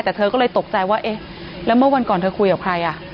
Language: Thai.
แต่เธอก็เลยตกใจว่าเอ๊ะแล้วเมื่อวันก่อนเธอคุยกับใครอ่ะ